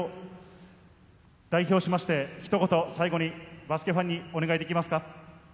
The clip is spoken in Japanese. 代表しまして、ひと言最後にバスケファンにお願いできますか？